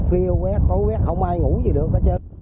khuya quét khó quét không ai ngủ gì được